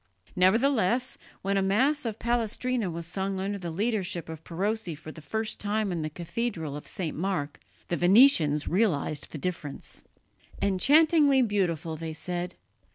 Nevertheless, when a Mass of Palestrina was sung under the leadership of Perosi for the first time in the cathedral of St. Mark, the Venetians realized the difference. "Enchantingly beautiful," they said.